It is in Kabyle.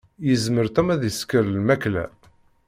Yezmer Tom ad isker lmakla.